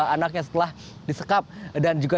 anaknya setelah disekap dan juga